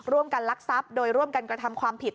ร่วมกันรักทรัพย์โดยร่วมกันกระทำความผิด